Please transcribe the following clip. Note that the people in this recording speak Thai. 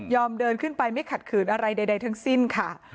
เดินขึ้นไปไม่ขัดขืนอะไรใดทั้งสิ้นค่ะ